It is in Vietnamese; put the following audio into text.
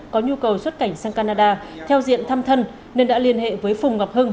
có nhu cầu xuất cảnh sang canada theo diện thăm thân nên đã liên hệ với phùng ngọc hưng